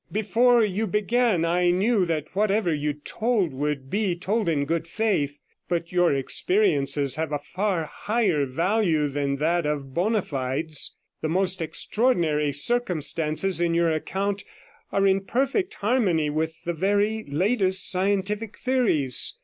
Before you began I knew that whatever you told would be told in good faith, but your experiences have a far higher value than that of bona fides. The most extraordinary circumstances in your account are in perfect harmony with the very latest scientific theories.